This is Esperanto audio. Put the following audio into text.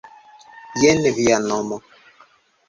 Jen via mono